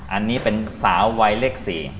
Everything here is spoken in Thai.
อันนี้เป็นสาววัยเลข๔